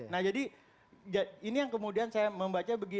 nah jadi ini yang kemudian saya membaca begini